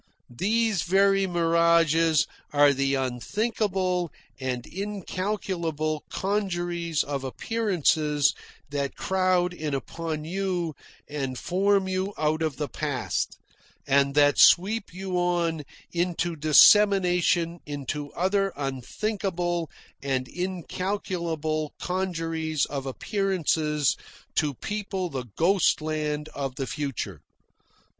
These very mirages are the unthinkable and incalculable congeries of appearances that crowd in upon you and form you out of the past, and that sweep you on into dissemination into other unthinkable and incalculable congeries of appearances to people the ghost land of the future.